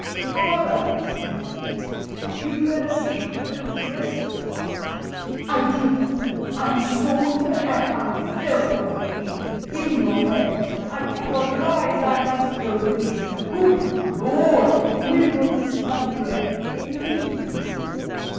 "Father," said Pete, "you fell asleep and dreamt this." "I did not. I saw him, and I felt what he did. Give me your hand. I cannot rise. I must go within. Good Lord, when will this come to an end?"